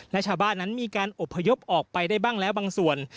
และชาวบ้านนั้นมีการอบพยพออกไปได้บ้างแล้วบางส่วน